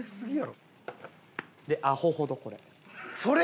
でアホほどこれ。